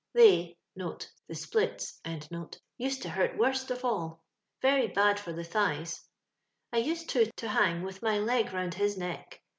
They (the splits) used to hurt worst of all ; very bad for the thighs. I used, too, to hang with my leg roimd his neck.